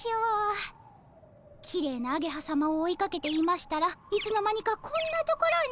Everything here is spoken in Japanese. きれいなアゲハさまを追いかけていましたらいつの間にかこんな所に。